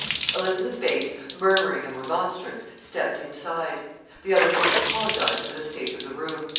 Elizabeth Bates, murmuring a remonstrance, stepped inside. The other woman apologized for the state of the room.